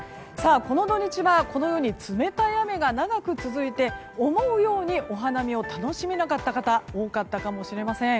この土日は冷たい雨が長く続いて、思うようにお花見を楽しめなかった方多かったかもしれません。